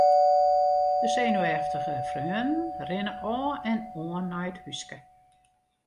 De senuweftige freonen rinne ôf en oan nei it húske.